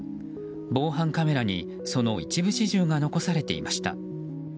防犯カメラにその一部始終が残されていました。